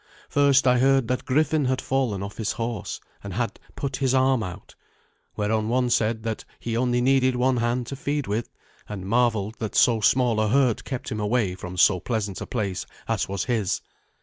First I heard that Griffin had fallen off his horse, and had put his arm out. Whereon one said that he only needed one hand to feed with, and marvelled that so small a hurt kept him away from so pleasant a place as was his.